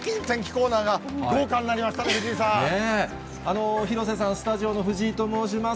コーナーが豪華になりましたね、広瀬さん、スタジオの藤井と申します。